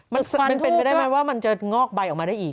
มันเป็นไปได้ไหมว่ามันจะงอกใบออกมาได้อีก